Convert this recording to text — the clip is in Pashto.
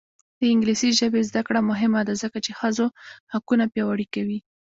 د انګلیسي ژبې زده کړه مهمه ده ځکه چې ښځو حقونه پیاوړي کوي.